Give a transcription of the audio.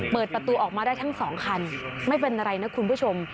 เปิดประตูออกมาได้ทั้งสองคันไม่เป็นอะไรนะคุณผู้ชม